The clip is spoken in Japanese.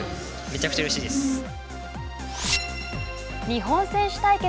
日本選手対決。